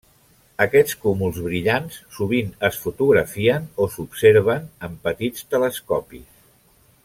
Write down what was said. Aquests cúmuls brillants sovint es fotografien o s'observen amb petits telescopis.